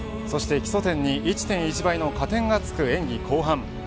そして基礎点に１．１倍の加点がつく演技後半。